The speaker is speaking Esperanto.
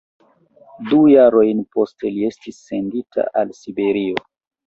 Du jarojn poste li estis sendita al Siberio.